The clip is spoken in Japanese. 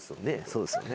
そうですよね。